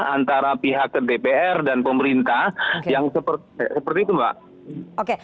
antara pihak dpr dan pemerintah yang seperti itu mbak